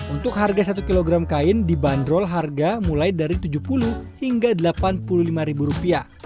untuk harga satu kg kain dibanderol harga mulai dari rp tujuh puluh hingga rp delapan puluh lima